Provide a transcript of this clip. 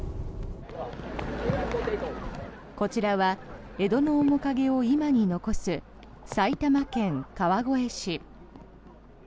こちらは江戸の面影を今に残す埼玉県川越市。